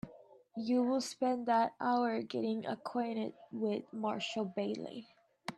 You will spend that hour getting acquainted with Marshall Bailey.